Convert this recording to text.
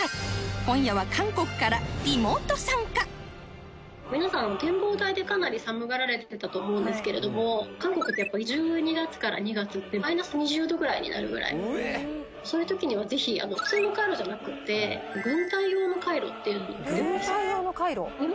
今夜は皆さん展望台でかなり寒がられてたと思うんですけれども韓国ってやっぱり１２月から２月ってマイナス２０度ぐらいになるぐらいそういうときにはぜひ普通のカイロじゃなくて軍隊用のカイロっていうの売ってるんですよ